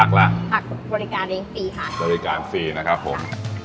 ผักบริการเองฟรีค่ะบริการฟรีนะครับผม